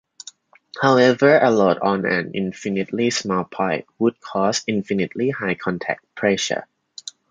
However, a load on an infinitely small point would cause infinitely high contact pressure.